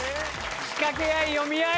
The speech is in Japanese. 仕掛け合い読み合い。